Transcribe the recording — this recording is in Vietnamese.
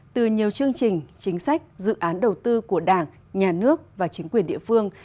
từ nhiều chương trình chính sách dự án đầu tư của đảng nhà nước và chính quyền địa phương